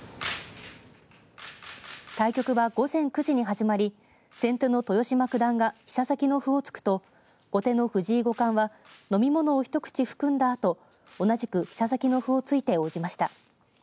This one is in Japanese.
対局は午前９時に始まり先手の豊島九段が飛車先の歩を突くと後手の藤井五冠は飲み物を一口含んだあと同じく飛車先の歩を突いて応じました。